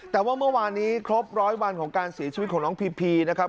แต่ว่าเมื่อวานนี้ครบร้อยวันของการเสียชีวิตของน้องพีพีนะครับ